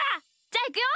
じゃあいくよ！